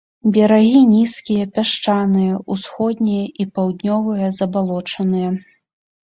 Берагі нізкія, пясчаныя, усходнія і паўднёвыя забалочаныя.